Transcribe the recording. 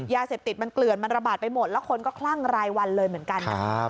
ยาเสพติดมันเกลื่อนมันระบาดไปหมดแล้วคนก็คลั่งรายวันเลยเหมือนกันนะครับ